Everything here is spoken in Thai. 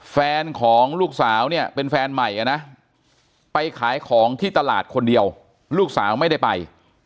แฟนของลูกสาวเนี่ยเป็นแฟนใหม่นะไปขายของที่ตลาดคนเดียวลูกสาวไม่ได้ไป